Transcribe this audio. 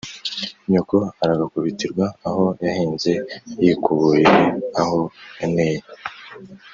nyoko aragaku bitirwa aho yahinze yikuburire aho yaneye